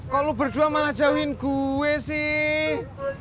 kok lo berdua malah jauhin gue sih